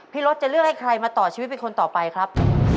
รถจะเลือกให้ใครมาต่อชีวิตเป็นคนต่อไปครับ